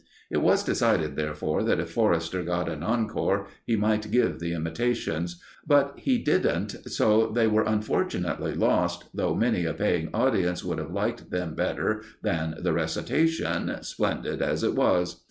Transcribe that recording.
It was decided, therefore, that if Forrester got an encore, he might give the imitations; but he didn't, so they were unfortunately lost, though many a paying audience would have liked them better than the recitation, splendid as it was.